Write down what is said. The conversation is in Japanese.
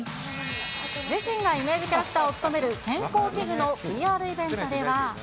自身がイメージキャラクターを務める健康器具のＰＲイベントでは。